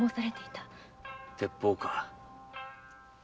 鉄砲か。